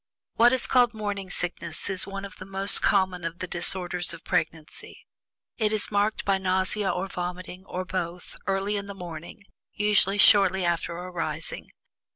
What is called "morning sickness" is one of the most common of the disorders of pregnancy. It is marked by nausea or vomiting, or both, early in the morning, usually shortly after arising.